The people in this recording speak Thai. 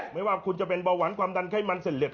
ไม่ว่าคุณจะเป็นเบาหวานความดันไข้มันเส้นเหล็